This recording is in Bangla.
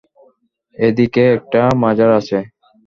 এ দিকে একটা মাজার আছে।